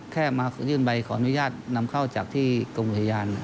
แค่มายื่นใบขออนุญาตนำเข้าจากที่กรมอุทยาน